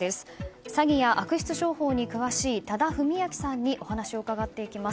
詐欺や悪質商法に詳しい多田文明さんにお話を伺っていきます。